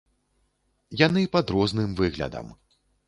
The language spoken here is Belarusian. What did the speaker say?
Яны пад розным выглядам.